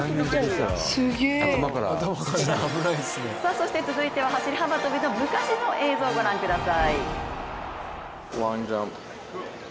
そして続いては走幅跳の昔の映像をご覧ください。